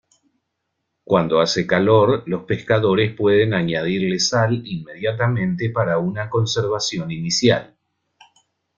Cuando hace calor, los pescadores pueden añadirle sal inmediatamente para una conservación inicial.